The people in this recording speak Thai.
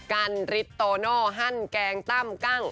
กันฤทธิโตโน่หั่นแกงตั้มกั้ง